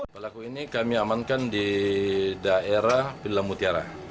pelaku ini kami amankan di daerah pilang mutiara